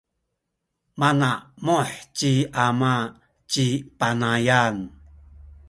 manamuh ci ama ci Panayan.